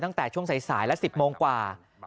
ตั้งแต่ช่วงสายและ๑๐โมงกว่า